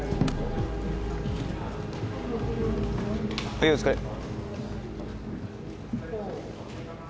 はいお疲れ。